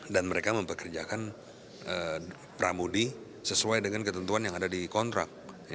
dan mereka mempekerjakan pramudi sesuai dengan ketentuan yang ada di kontrak